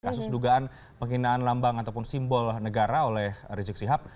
kasus dugaan penghinaan lambang ataupun simbol negara oleh rizik sihab